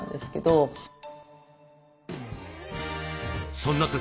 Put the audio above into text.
そんな時